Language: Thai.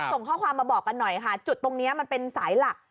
ส่งข้อความมาบอกกันหน่อยค่ะจุดตรงนี้มันเป็นสายหลัก